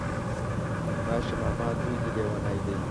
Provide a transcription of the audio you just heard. راشه ماما ځوی دی ليونی دی